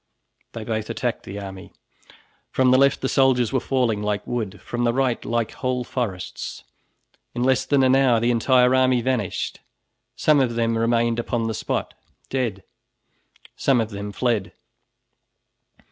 They both attacked the army. From the left the soldiers were falling like wood, from the right like whole forests. In less than an hour the entire army vanished. Some of them remained upon the spot, dead; some of them fled.